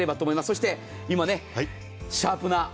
そして今、シャープな。